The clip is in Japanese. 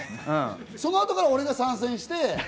そのあとから俺が参戦して。